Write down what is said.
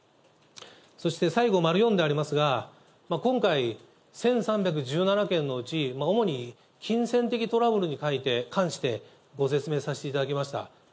そして、最後丸４でありますが、今回、１３１７件のうち、主に金銭的トラブルに関してご説明させていただきました。